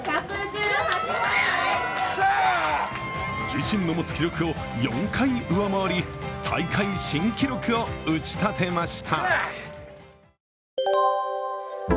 自身の持つ記録を４回上回り、大会新記録を打ち立てました。